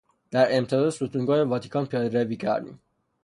در امتداد ستونگان واتیکان پیادهروی کردیم.